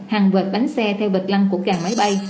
hàng vệt bánh xe theo vệt lăng của càng máy bay